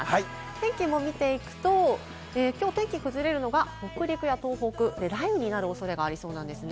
天気も見ていくと、きょう天気崩れるのが北陸や東北、雷雨になる恐れがありそうなんですね。